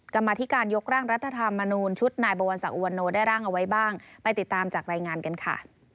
กรรมธิการยกร่างรัฐธรรมนูญชุดนายบวรศักดิอุวันโนได้ร่างเอาไว้บ้างไปติดตามจากรายงานกันค่ะ